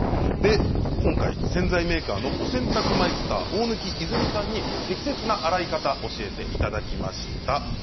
今回、洗剤メーカーのお洗濯マイスター大貫和泉さんに適切な洗い方を教えていただきました。